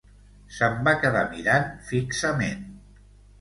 Se'm va quedar mirant fixament.